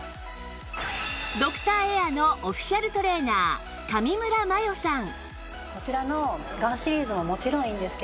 ドクターエアのオフィシャルトレーナー上村真代さん